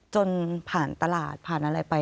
จนผ่านตลาดผ่านอะไรไป